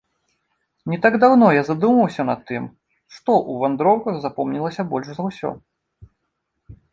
Не так даўно я задумаўся над тым, што ў вандроўках запомнілася больш за ўсё.